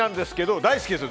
大好きですよ。